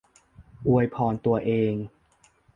อวยพรตัวเอง